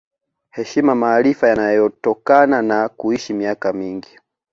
Heshima maarifa yanayotokana na kuishi miaka mingi